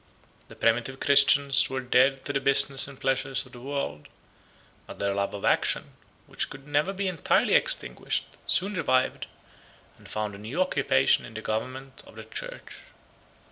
The primitive Christians were dead to the business and pleasures of the world; but their love of action, which could never be entirely extinguished, soon revived, and found a new occupation in the government of the church.